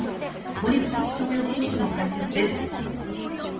森口気象予報士の解説です。